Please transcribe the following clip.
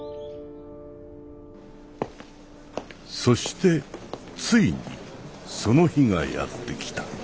そしてついにその日がやって来た。